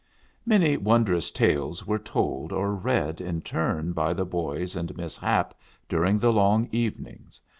Many wondrous tales were told or read in turn by the boys and Miss Hap during the long evenings.